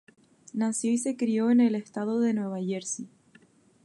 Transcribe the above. Nació y se crio en el estado de Nueva Jersey.